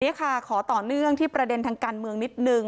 นี่ค่ะขอต่อเนื่องที่ประเด็นทางการเมืองนิดนึง